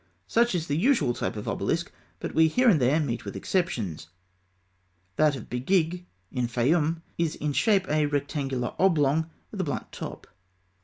Such is the usual type of obelisk; but we here and there meet with exceptions. That of Begig in the Fayûm (fig. 109) is in shape a rectangular oblong, with a blunt top.